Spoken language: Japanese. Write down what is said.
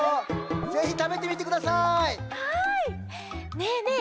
ねえねえ